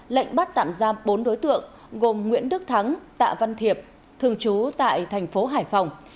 lệnh bắt tạm giam bốn đối tượng gồm nguyễn đức thắng tạ văn thiệp thường trú tại thành phố hải phòng